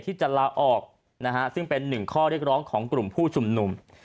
ที่จะลาออกนะฮะซึ่งเป็นหนึ่งข้อเรียกร้องของกลุ่มผู้ชุมนุม